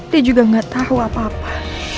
dia juga nggak tahu apa apa